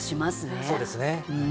そうですね。